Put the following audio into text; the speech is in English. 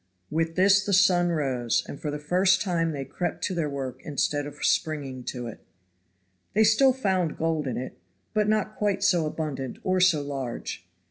With this the sun rose, and for the first time they crept to their work instead of springing to it. They still found gold in it, but not quite so abundant or so large.